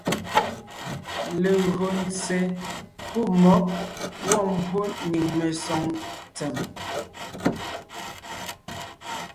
Legÿo ntse pɔ́ mmɔ̌g gwɔ̂ mbwó nyìŋ mesoŋ ntsèm,